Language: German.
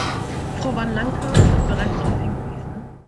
Frau Van Lancker hat bereits darauf hingewiesen.